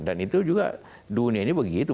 dan itu juga dunia ini begitu